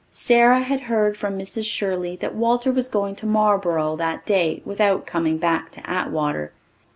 Sara had heard from Mrs. Shirley that Walter was going to Marlboro that day without coming back to Atwater.